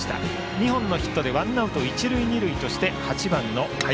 ２本のヒットでワンアウト、一塁二塁として８番の林。